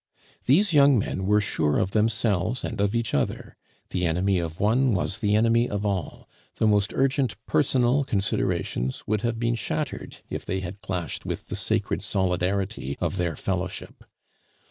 These young men were sure of themselves and of each other; the enemy of one was the enemy of all; the most urgent personal considerations would have been shattered if they had clashed with the sacred solidarity of their fellowship.